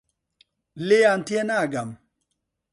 لێیان تێناگەم.